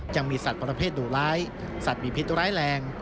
ยังมีสัตว์ประเภทดุร้ายสัตว์มีพิษร้ายแรง